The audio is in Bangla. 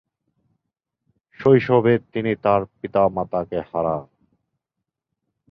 শৈশবেই তিনি তাঁর পিতা-মাতাকে হারান।